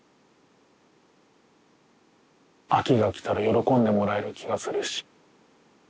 秋が来たら喜んでもらえる気がするし。